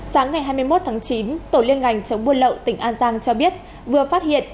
sáng ngày hai mươi một tháng chín tổ liên ngành chống buôn lậu tỉnh an giang cho biết vừa phát hiện